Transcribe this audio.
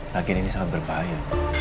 lagi ini sangat berbahaya